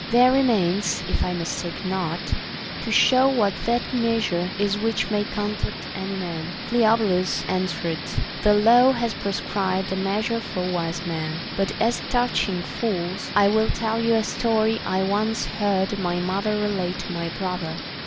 There remains, if I mistake not, to show what that meas ure is which may content any man. Cleobulus answered : The law has prescribed a measure for wise men ; but as touching fools, I will tell you a story I once heard my mother relate to my brother.